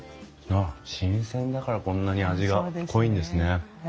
ああ新鮮だからこんなに味が濃いんですね。